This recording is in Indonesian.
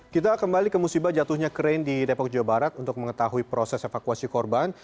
kita kembali ke musibah jatuhnya krain di depok jawa barat untuk mengetahui proses evakuasi korban